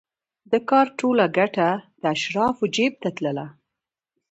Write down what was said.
د کار ټوله ګټه د اشرافو جېب ته تلله